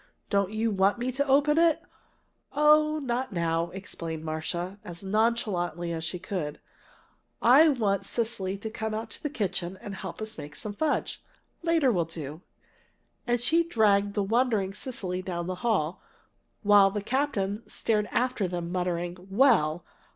"Don't you want me to open it?" "Oh, not now," explained Marcia, as nonchalantly as she could. "I want Cecily to come out to the kitchen and help us make some fudge. Later will do." And she dragged the wondering Cecily down the hall, while the captain stared after them muttering, "Well!